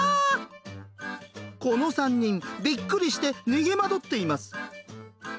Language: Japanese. この３人びっくりして逃げ惑っています。